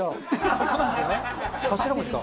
そこなんですよね。